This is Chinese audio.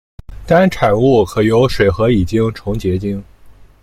该产物可由水和乙腈重结晶。